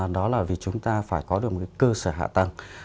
đó là vì chúng ta phải có được một cơ sở hạ tầng